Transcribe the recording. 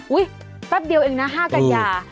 อุ้ยแป๊บเดียวเองนะ๕กัญญา